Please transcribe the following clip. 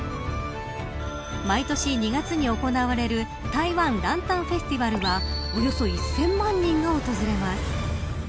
毎年２月に行われる台湾ランタンフェスティバルはおよそ１０００万人が訪れます。